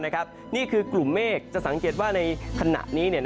นี่คือกลุ่มเมฆจะสังเกตว่าในขณะนี้